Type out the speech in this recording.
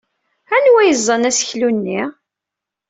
Anwa ay yeẓẓan aseklu-nni?